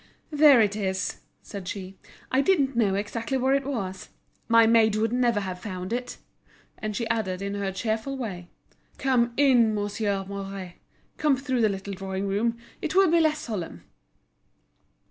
"There it is," said she; "I didn't know exactly where it was. My maid would never have found it." And she added in her cheerful way: "Come in, Monsieur Mouret, come through the little drawing room; it will be less solemn."